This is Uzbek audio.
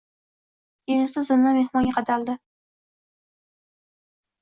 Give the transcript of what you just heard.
Keyin esa zimdan mehmonga qadaldi